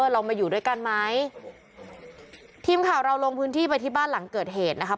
เรามาอยู่ด้วยกันไหมทีมข่าวเราลงพื้นที่ไปที่บ้านหลังเกิดเหตุนะครับ